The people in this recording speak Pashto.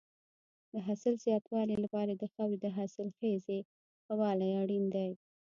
د حاصل د زیاتوالي لپاره د خاورې د حاصلخېزۍ ښه والی اړین دی.